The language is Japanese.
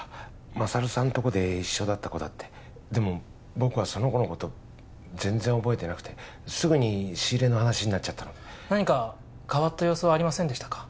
勝さんとこで一緒だった子だってでも僕はその子のこと全然覚えてなくてすぐに仕入れの話になっちゃったので何か変わった様子はありませんでしたか？